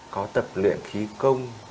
có tập luyện khí công